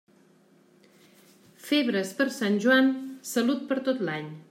Febres per Sant Joan, salut per tot l'any.